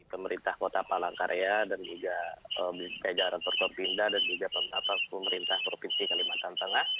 pemerintah kota palangkaraya dan juga pemerintah jalan turcom pindah dan juga pemerintah provinsi kalimantan tengah